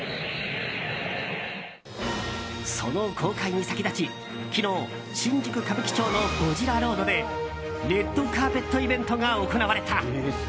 その公開に先立ち昨日、新宿・歌舞伎町のゴジラロードでレッドカーペットイベントが行われた。